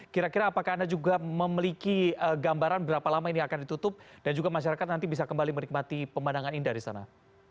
kira kira apakah anda juga memiliki gambaran berapa lama ini akan ditutup dan juga masyarakat nanti bisa kembali menikmati pemandangan indah di sana